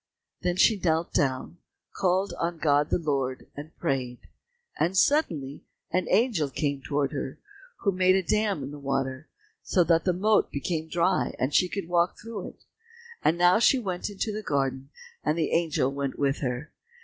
Then she knelt down, called on God the Lord, and prayed. And suddenly an angel came towards her, who made a dam in the water, so that the moat became dry and she could walk through it. And now she went into the garden and the angel went with her.